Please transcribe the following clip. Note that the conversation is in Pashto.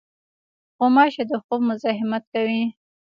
غوماشې د خوب مزاحمت کوي.